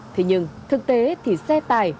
thế nhưng thực tế thì xe tải